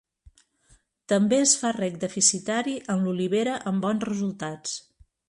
També es fa reg deficitari en l'olivera amb bons resultats.